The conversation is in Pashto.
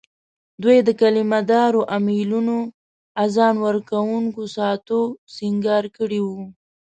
دوی د کلیمه دارو امېلونو، اذان ورکوونکو ساعتو سینګار کړي وو.